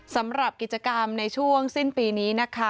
สำหรับกิจกรรมในช่วงสิ้นปีนี้นะคะ